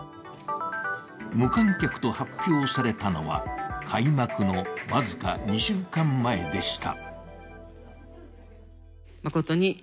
無観客と発表されたのは開幕の僅か２週間前でした。